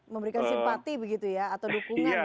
memberikan simpati begitu ya atau dukungan gitu ya